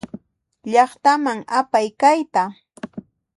Llaqtaman apay kayta.